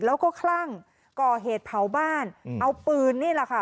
แล้วก็คลั่งก่อเหตุเผาบ้านเอาปืนนี่แหละค่ะ